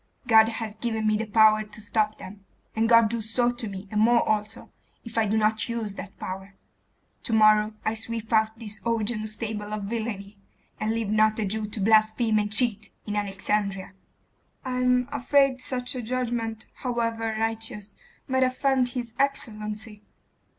God has given me the power to stop them; and God do so to me, and more also, if I do not use that power. To morrow I sweep out this Augean stable of villainy, and leave not a Jew to blaspheme and cheat in Alexandria.' 'I am afraid such a judgment, however righteous, might offend his excellency.